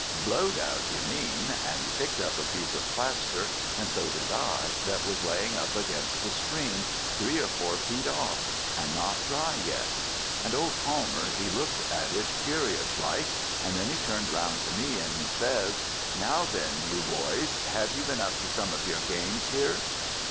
Blowed out, you mean,' and he picked up a bit of plaster, and so did I, that was laying up against the screen, three or four feet off, and not dry yet; and old Palmer he looked at it curious like, and then he turned round on me and he says, 'Now then, you boys, have you been up to some of your games here?'